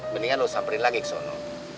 mendingan lo samperin lagi kesana